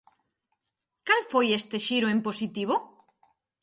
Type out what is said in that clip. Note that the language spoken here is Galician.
¿Cal foi este xiro en positivo?